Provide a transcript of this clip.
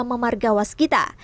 pt hutama margawas kita